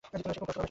সে খুব কষ্ট পাবে।